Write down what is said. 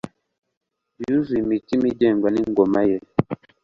yuzuye imitima igengwa n'ingoma ye